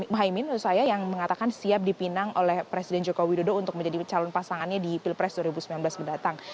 muhaymin yang mengatakan siap dipinang oleh presiden joko widodo untuk menjadi calon pasangannya di pilpres dua ribu sembilan belas mendatang